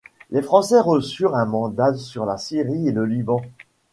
Les Français reçurent un mandat sur la Syrie et le Liban.